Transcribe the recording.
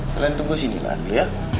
kalian tunggu sini gilead